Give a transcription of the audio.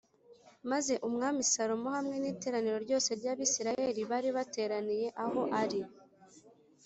Maze Umwami Salomo hamwe n’iteraniro ryose ry’Abisirayeli bari bateraniye aho ari